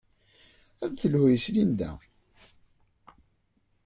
Ad d-telhu yes-s Linda.